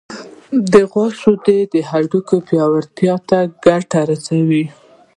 د غوا شیدې د هډوکو پیاوړتیا ته ګټه رسوي.